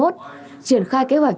triển khai kế hoạch